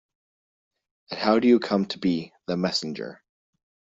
And how do you come to be the messenger?